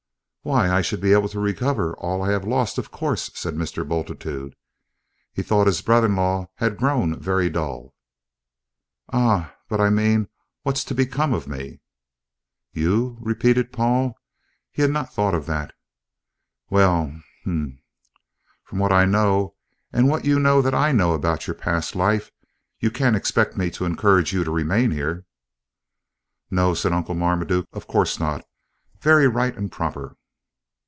"Why, I should be able to recover all I have lost, of course," said Mr. Bultitude. He thought his brother in law had grown very dull. "Ah, but I mean, what's to become of me?" "You?" repeated Paul (he had not thought of that). "Well, hum, from what I know and what you know that I know about your past life, you can't expect me to encourage you to remain here?" "No," said Uncle Marmaduke. "Of course not; very right and proper."